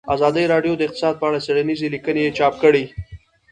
ازادي راډیو د اقتصاد په اړه څېړنیزې لیکنې چاپ کړي.